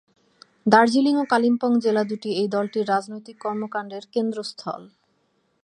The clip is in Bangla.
দার্জিলিং ও কালিম্পং জেলা দু’টি এই দলটির রাজনৈতিক কর্মকাণ্ডের কেন্দ্রস্থল।